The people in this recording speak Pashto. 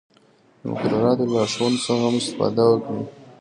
د مقرراتو له لارښوونو څخه هم استفاده وکړئ.